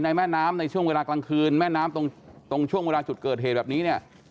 แม่น้ำในช่วงเวลากลางคืนแม่น้ำตรงช่วงเวลาจุดเกิดเหตุแบบนี้เนี่ย